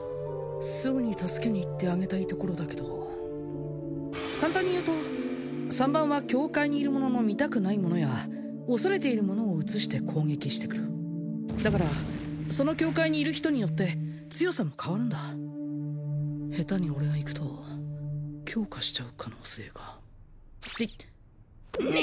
すぐに助けに行ってあげたいところだけど簡単に言うと三番は境界にいる者の見たくないものや恐れているものを映して攻撃してくるだからその境界にいる人によって強さも変わるんだ下手に俺が行くと強化しちゃう可能性がってね